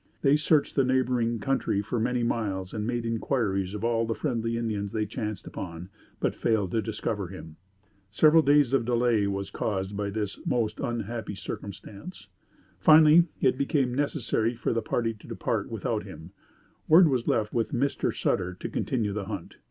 They searched the neighboring country for many miles and made inquiries of all the friendly Indians they chanced upon, but failed to discover him. Several days of delay was caused by this most unhappy circumstance. Finally, it becoming necessary for the party to depart without him, word was left with Mr. Sutter to continue the hunt.